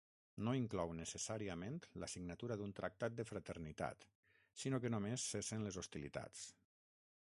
No inclou necessàriament la signatura d'un tractat de fraternitat sinó que només cessen les hostilitats.